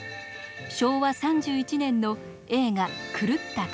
昭和３１年の映画「狂った果実」。